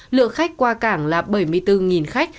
lượng khách qua cảng là bảy mươi bốn khách